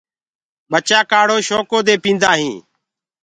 ٻچآ ڪآڙهو شوڪو دي پيندآ هينٚ۔